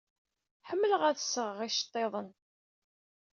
Ḥemmleɣ ad d-sɣeɣ iceḍḍiḍen.